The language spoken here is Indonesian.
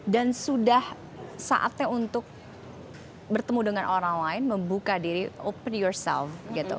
dan sudah saatnya untuk bertemu dengan orang lain membuka diri open yourself gitu